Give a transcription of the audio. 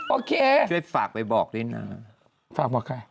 โอเคช่วยฝากไปบอกด้วยนะฝากบอกใคร